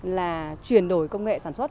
là chuyển đổi công nghệ sản xuất